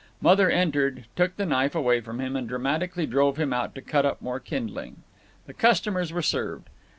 Mother entered, took the knife away from him, and dramatically drove him out to cut up more kindling. The customers were served.